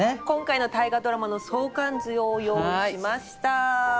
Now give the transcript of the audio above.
今回の「大河ドラマ」の相関図を用意しました。